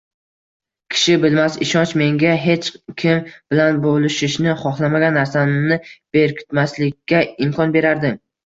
Kishi bilmas ishonch menga hech kim bilan bo‘lishishni xohlamagan narsamni berkitmaslikka imkon berardi.